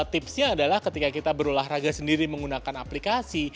tipsnya adalah ketika kita berolahraga sendiri menggunakan aplikasi